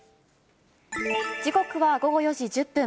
時刻は午後４時１０分。